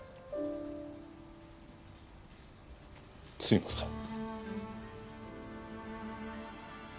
すいません。